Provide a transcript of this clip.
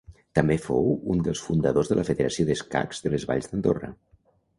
També fou un dels fundadors de la Federació d'Escacs de les Valls d'Andorra.